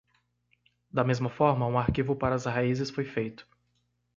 Da mesma forma, um arquivo para as raízes foi feito.